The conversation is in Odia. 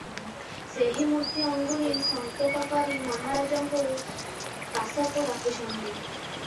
ସେହି ମୂର୍ତ୍ତି ଅଙ୍ଗୁଳି ସଙ୍କେତ କରି ମଙ୍ଗରାଜଙ୍କୁ ପାଶକୁ ଡାକୁଛନ୍ତି ।